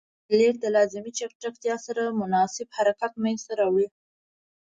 سکلیټ د لازمې چټکتیا سره مناسب حرکت منځ ته راوړي.